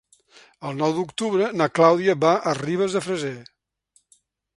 El nou d'octubre na Clàudia va a Ribes de Freser.